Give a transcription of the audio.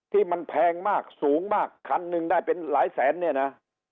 ที่มันแพงมากสูงมากคันหนึ่งได้เป็นหลายแสนเนี่ยนะ